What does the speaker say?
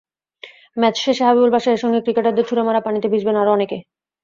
Match শেষে হাবিবুল বাশারের সঙ্গে ক্রিকেটারদের ছুড়ে মারা পানিতে ভিজবেন আরও অনেকে।